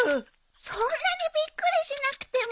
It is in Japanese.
そんなにびっくりしなくても。